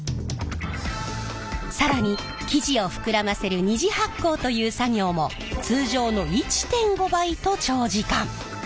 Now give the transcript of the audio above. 更に生地を膨らませる二次発酵という作業も通常の１．５倍と長時間。